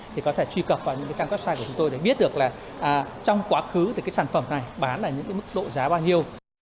thì có thể truy cập vào những trang website của chúng tôi để biết được là trong quá khứ sản phẩm này bán ở những mức độ giá bao nhiêu